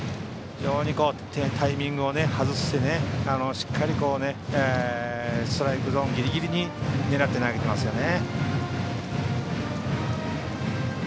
非常にタイミングを外してしっかりストライクゾーンギリギリに狙って投げてますよね。